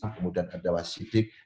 kemudian ada wasidik